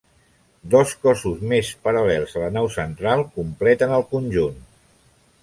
Dos cossos més paral·lels a la nau central completen el conjunt.